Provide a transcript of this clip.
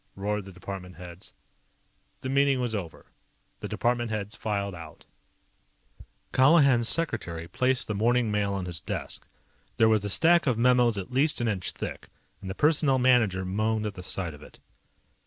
P!" roared the department heads. The meeting was over. The department heads filed out. Colihan's secretary placed the morning mail on his desk. There was a stack of memos at least an inch thick, and the Personnel Manager moaned at the sight of it.